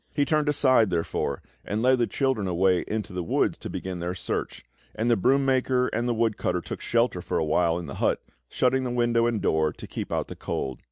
He turned aside, therefore, and led the children away into the woods to begin their search; and the broom maker and the woodcutter took shelter for awhile in the hut, shutting the window and door to keep out the cold.